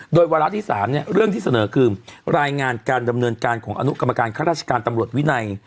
โดยวาระที่๓เรื่องที่เสนอคือรายงานการดำเนินการของอนุกรรมการข้าราชการตำรวจวินัย